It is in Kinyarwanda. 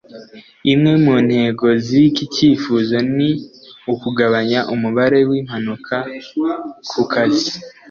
Imwe mu ntego z'iki cyifuzo ni ukugabanya umubare w'impanuka ku kazi